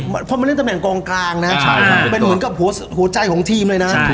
เพราะมันเล่นตำแหนกองกลางนะเป็นเหมือนกับหัวใจของทีมเลยนะ